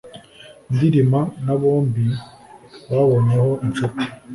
ndilima na bombi bambonye ho inshuti